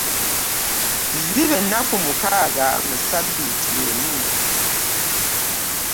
Ziba ennaku mukaaga mu sabbiiti emu.